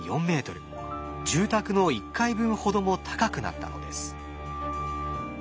住宅の１階分ほども高くなったのです。